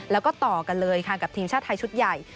แล้วก็ต่อกันเลยค่ะกับทีมชาติไทยชุดใหญ่